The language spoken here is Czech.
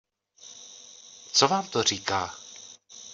Co vám to říká?